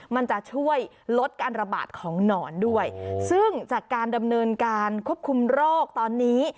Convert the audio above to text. มันจะช่วยลดการระบาดของหนอนด้วยซึ่งจากการดำเนินการควบคุมโรคตอนนี้